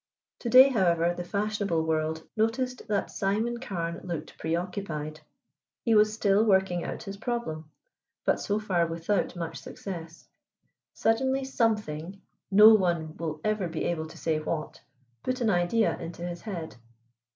To day, however, the fashionable world noticed that Simon Carne looked pre occupied. He was still working out his problem, but so far without much success. Suddenly something, no one will ever be able to say what, put an idea into his head.